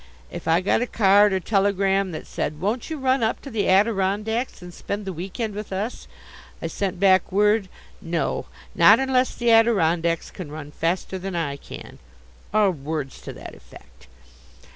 If I got a card or telegram that said, "Won't you run up to the Adirondacks and spend the week end with us?" I sent back word: "No, not unless the Adirondacks can run faster than I can," or words to that effect.